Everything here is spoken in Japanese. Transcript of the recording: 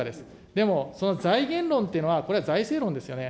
でも、その財源論というのは、これは財政論ですよね。